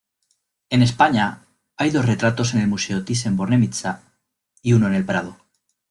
En España, hay dos retratos en el Museo Thyssen-Bornemisza y uno en el Prado.